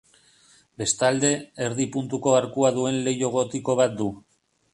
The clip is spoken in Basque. Bestalde, erdi-puntuko arkua duen leiho gotiko bat du.